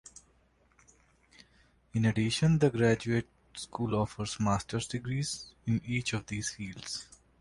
In addition, the graduate school offers master's degrees in each of these fields.